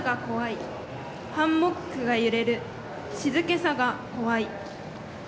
「ハンモックが揺れる静けさが怖い」。